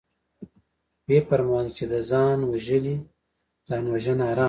ويې فرمايل چې ده ځان وژلى ځانوژنه حرامه ده.